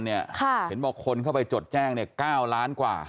เห็นบอกคนเข้าไปจดแจ้ง๙ล้านกว่า